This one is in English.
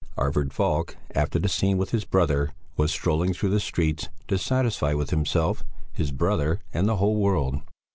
Arvid Falk, after the scene with his brother, was strolling through the streets, dissatisfied with himself, his brother, and the whole world.